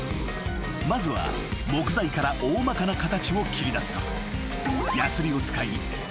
［まずは木材から大まかな形を切り出すと］